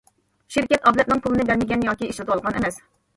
شىركەت ئابلەتنىڭ پۇلىنى بەرمىگەن ياكى ئىشلىتىۋالغان ئەمەس.